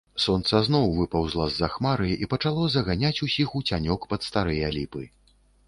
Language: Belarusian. Сонца зноў выпаўзла з-за хмары і пачало заганяць усіх у цянёк пад старыя ліпы.